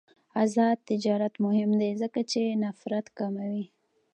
آزاد تجارت مهم دی ځکه چې نفرت کموي.